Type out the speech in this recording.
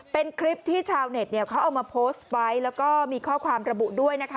เป็นคลิปที่ชาวเน็ตเนี่ยเขาเอามาโพสต์ไว้แล้วก็มีข้อความระบุด้วยนะคะ